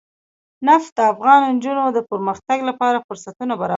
نفت د افغان نجونو د پرمختګ لپاره فرصتونه برابروي.